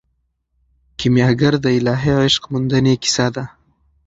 کیمیاګر د الهي عشق موندنې کیسه ده.